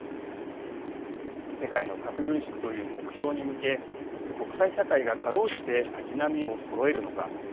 世界の核軍縮という目標に向け、国際社会が、かろうじて足並みをそろえるのか。